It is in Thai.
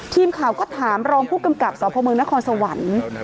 ทีมข่าวก็ถามรองผู้กำกับสพเมืองนครสวรรค์